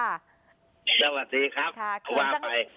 สวัสดีครับก็ว่าไป